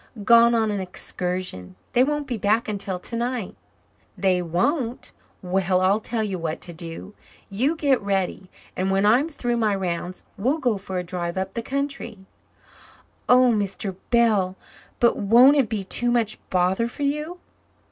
"Gone on an excursion. They won't be back until tonight." "They won't? Well, I'll tell you what to do. You get ready, and when I'm through my rounds we'll go for a drive up the country." "Oh, Mr. Bell! But won't it be too much bother for you?"